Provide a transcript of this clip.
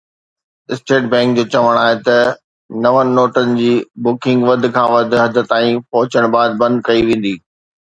state bank جو چوڻ آهي ته نون نوٽن جي بکنگ وڌ کان وڌ حد تائين پهچڻ بعد بند ڪئي ويندي